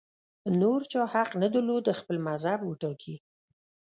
نور چا حق نه درلود خپل مذهب وټاکي